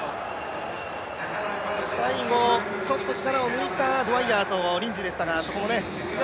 最後、ちょっと力を抜いたドウァイヤーとリンジーでしたが。